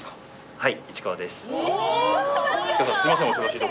はい。